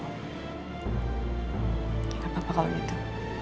tidak apa apa kalau gitu